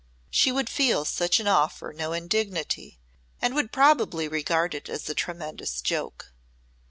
She would feel such an offer no indignity and would probably regard it as a tremendous joke.